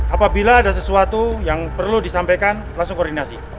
apabila ada sesuatu yang perlu disampaikan langsung koordinasi